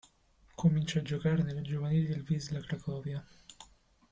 Comincia a giocare nelle giovanili del Wisla Cracovia.